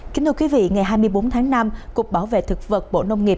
kính thưa quý vị ngày hai mươi bốn tháng năm cục bảo vệ thực vật bộ nông nghiệp